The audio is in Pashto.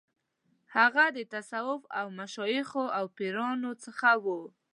هغه د تصوف له مشایخو او پیرانو څخه و.